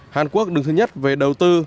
hàn quốc đứng thứ nhất về đầu tư